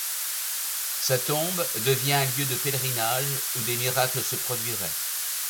Sa tombe devient un lieu de pèlerinage où des miracles se produiraient.